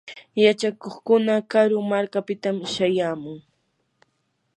yachakuqkuna karu markapitam shayamun.